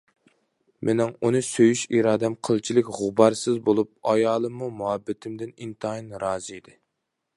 مېنىڭ ئۇنى سۆيۈش ئىرادەم قىلچىلىك غۇبارسىز بولۇپ، ئايالىممۇ مۇھەببىتىمدىن ئىنتايىن رازى ئىدى.